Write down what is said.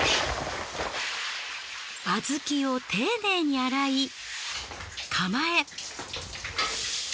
小豆を丁寧に洗い釜へ。